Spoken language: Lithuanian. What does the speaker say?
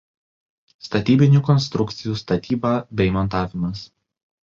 Statybinių konstrukcijų statybą bei montavimas.